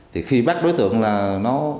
thì khi bắt đối tượng là nó